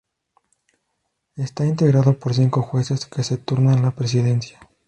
Está integrado por cinco jueces, que se turnan la presidencia.